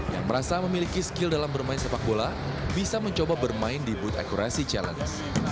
yang merasa memiliki skill dalam bermain sepak bola bisa mencoba bermain di booth akurasi challenge